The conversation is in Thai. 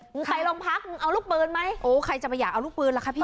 มึงไปลองพักมึงเอาลูกปืนจะมั้ยโอ้ใครจะมาอยากเอาลูกปืนค่ะพี่